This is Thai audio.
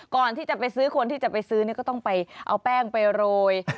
ก่อนที่จะไปซื้อคนที่จะไปซื้อก็ต้องไปเอาแป้งไปโรย